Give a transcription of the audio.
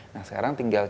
nah sekarang tinggal kita